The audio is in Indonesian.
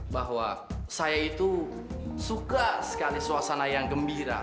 bahwa saya itu suka sekali suasana yang gembira